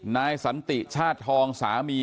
นายสันติชาติทองสามี